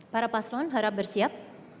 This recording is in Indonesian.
para paslon harap bersiap